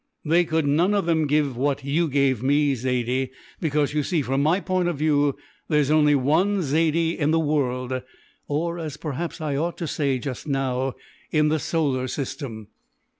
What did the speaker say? "They could none of them give what you gave me, Zaidie, because you see from my point of view there's only one Zaidie in the world or as perhaps I ought to say just now, in the Solar System."